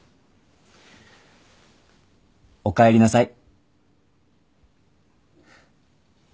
おかえりなさい。